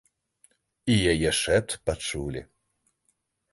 І яе шэпт пачулі.